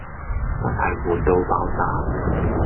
真係悶到爆炸